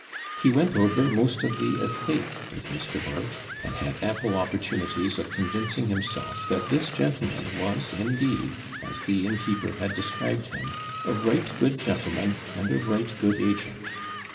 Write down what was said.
He went over most of the estate with Mr. Burke, and had ample opportunities of convincing himself that this gentleman was indeed, as the innkeeper had described him, 'a right good gentleman, and a right good agent.'